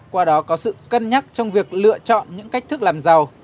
qua đó có sự cân nhắc trong việc lựa chọn những cách thức làm giàu